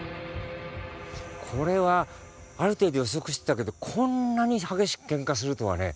これはある程度予測してたけどこんなに激しくけんかするとはね